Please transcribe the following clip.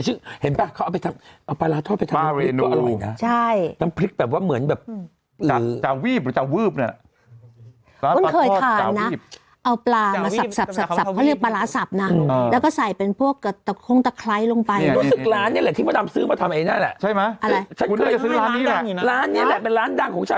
ซึ่งนางก็เสียชื่อเห็นเปล่าเอาปลาร้าทอดไปทำคลิกก็อร่อยนะ